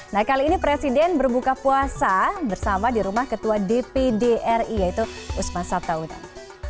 nah kali ini presiden berbuka puasa bersama di rumah ketua dpdri yaitu usman sabtawudan